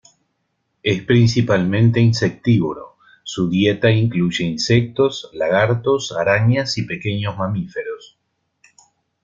Es principalmente insectívoro, su dieta incluye insectos, lagartos, arañas y pequeños mamíferos.